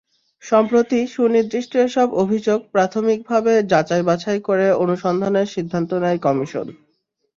সম্প্রতি সুনির্দিষ্ট এসব অভিযোগ প্রাথমিকভাবে যাচাই বাছাই করে অনুসন্ধানের সিদ্ধান্ত নেয় কমিশন।